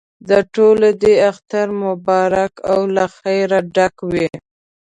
د ټولو دې اختر مبارک او له خیره ډک وي.